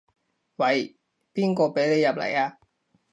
喂，邊個畀你入來啊？